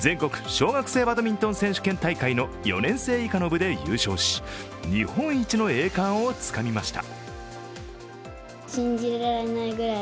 小学生バドミントン選手権大会の４年生以下の部で優勝し日本一の栄冠をつかみました。